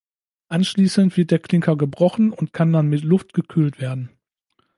Anschließend wird der Klinker gebrochen und kann dann mit Luft gekühlt werden.